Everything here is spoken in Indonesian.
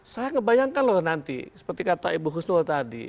saya ngebayangkan loh nanti seperti kata ibu husnul tadi